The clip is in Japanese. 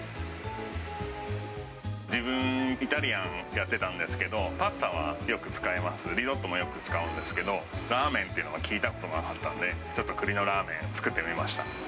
自分、イタリアンやってたんですけど、パスタはよく使います、リゾットもよく使うんですけど、ラーメンっていうのは聞いたことがなかったので、ちょっとくりのラーメン、作ってみました。